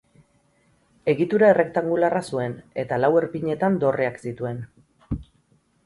Egitura errektangularra zuen eta lau erpinetan dorreak zituen.